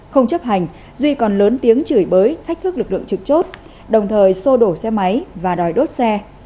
không chấp hành duy còn lớn tiếng chửi bới thách thức lực lượng trực chốt đồng thời sô đổ xe máy và đòi đốt xe